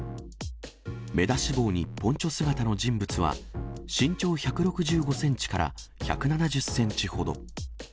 目出し帽にポンチョ姿の人物は、身長１６５センチから１７０センチほど。